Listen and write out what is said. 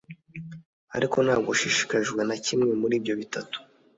ariko ntabwo ushishikajwe na kimwe muri ibyo bitatu